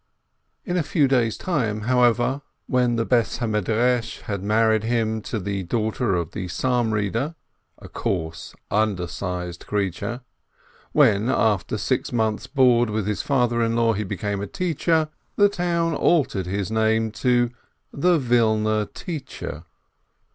In a few years' time, however, when the house of study had married him to the daughter of the Psalm reader, a coarse, undersized creature, and when, after six months' "board" with his father in law, he became a teacher, the town altered his name to "the Wilner teacher."